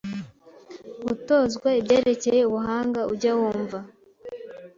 gutozwa ibyerekeye ubuhanga ujya wumva